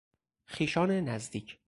خویشان نزدیک